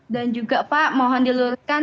dan juga pak mohon diluruskan